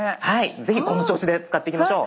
是非この調子で使っていきましょう。